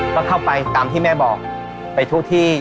ก็เข้าไปตามที่แม่บอกไปทุกที่